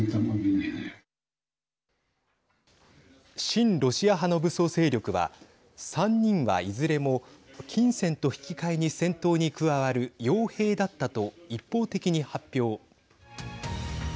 親ロシア派の武装勢力は３人はいずれも金銭と引き換えに戦闘に加わるよう兵だったと一方的に発表。